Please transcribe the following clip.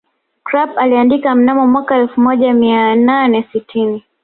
Krapf aliandika mnamo mwaka elfu moja mia nane sitini